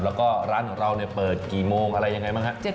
แล้วก็ร้านของเราเปิดกี่โมงอะไรยังไงบ้างฮะ